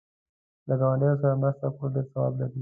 له گاونډیو سره مرسته کول ډېر ثواب لري.